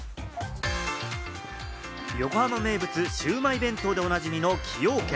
横浜名物・シウマイ弁当でおなじみの崎陽軒。